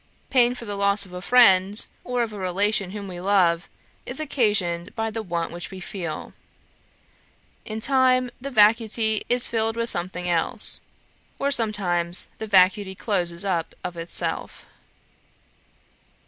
Pain for the loss of a friend, or of a relation whom we love, is occasioned by the want which we feel. In time the vacuity is filled with something else; or sometimes the vacuity closes up of itself.'